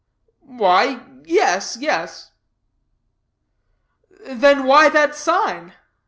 "Why yes, yes." "Then why that sign?"